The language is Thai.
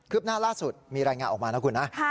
หน้าล่าสุดมีรายงานออกมานะคุณนะ